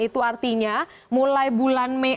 itu artinya mulai bulan mei